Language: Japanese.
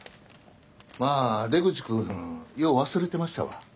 まあ出口君よう忘れてましたわ。